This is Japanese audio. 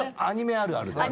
アニメあるある。